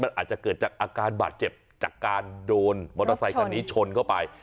มันอาจจะเกิดจากอาการบาดเจ็บจากการโดนมอเตอร์ไซคันนี้ชนเข้าไป